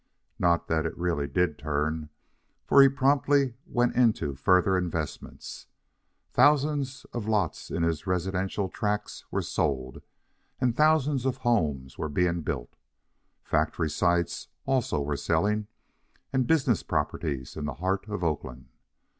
Not that it really did turn, for he promptly went into further investments. Thousands of lots in his residence tracts were sold, and thousands of homes were being built. Factory sites also were selling, and business properties in the heart of Oakland.